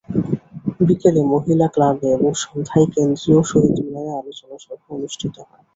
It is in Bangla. বিকেলে মহিলা ক্লাবে এবং সন্ধ্যায় কেন্দ্রীয় শহীদ মিনারে আলোচনা সভা অনুষ্ঠিত হয়।